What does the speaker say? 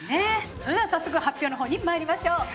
それでは早速発表のほうにまいりましょう。